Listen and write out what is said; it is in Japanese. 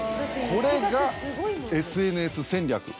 これがＳＮＳ戦略。